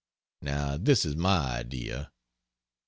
Now this is my idea: 1.